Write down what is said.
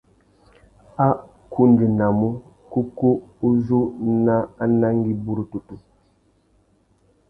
A kundzénamú : kúkú u zú nà anangüî burútutu.